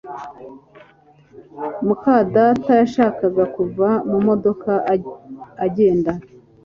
muka data yashakaga kuva mu modoka agenda